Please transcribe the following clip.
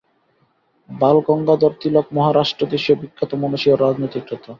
বালগঙ্গাধর তিলক মহারাষ্ট্রদেশীয় বিখ্যাত মনীষী ও রাজনীতিক নেতা।